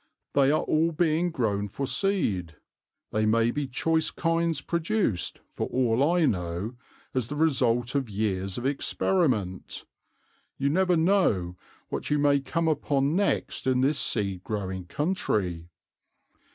They are all being grown for seed; they may be choice kinds produced, for all I know, as the result of years of experiment. You never know what you may come upon next in this seed growing country.